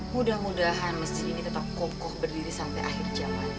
mudah mudahan masjid ini tetap kokoh berdiri sampai akhir zaman